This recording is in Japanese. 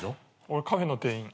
俺カフェの店員。